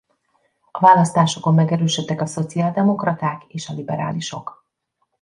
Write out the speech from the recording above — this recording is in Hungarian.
A választásokon megerősödtek a szociáldemokraták és a liberálisok.